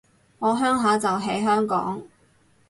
我鄉下就喺香港